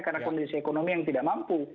karena kondisi ekonomi yang tidak mampu